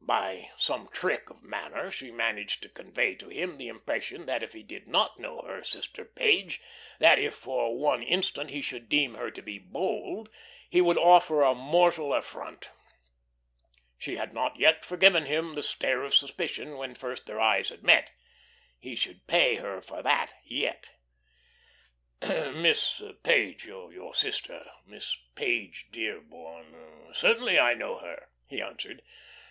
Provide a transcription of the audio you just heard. By some trick of manner she managed to convey to him the impression that if he did not know her sister Page, that if for one instant he should deem her to be bold, he would offer a mortal affront. She had not yet forgiven him that stare of suspicion when first their eyes had met; he should pay her for that yet. "Miss Page, your sister, Miss Page Dearborn? Certainly I know her," he answered.